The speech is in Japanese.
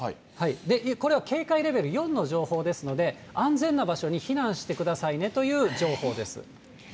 これは警戒レベル４の情報ですので、安全な場所に避難してくださいねという情報です。